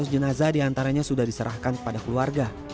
dua ratus jenazah diantaranya sudah diserahkan kepada keluarga